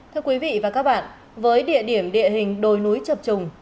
thưa quý vị và các bạn với địa điểm địa hình đồi núi chập trùng